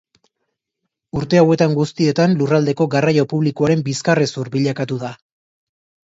Urte hauetan guztietan, lurraldeko garraio publikoaren bizkarrezur bilakatu da.